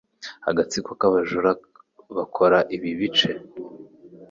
Agatsiko k'abajura bakora ibi bice.